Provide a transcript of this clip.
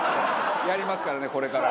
やりますからねこれから。